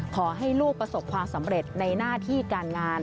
ขอให้ลูกประสบความสำเร็จในหน้าที่การงาน